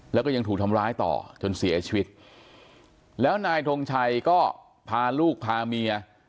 แล้วก็ยังถูกทำร้ายต่อจนเสียชีวิตแล้วนายทงชัยก็พาลูกพาเมีย